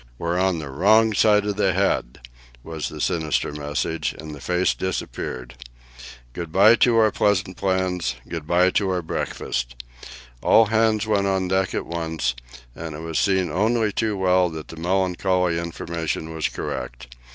"We're on the wrong side of the head," was the sinister message, and the face disappeared. Good bye to our pleasant plans, good bye to our breakfast! All hands went on deck at once, and it was seen only too well that the melancholy information was correct.